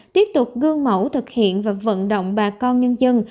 tiếp tục gương mẫu thực hiện và vận động bà con nhân dân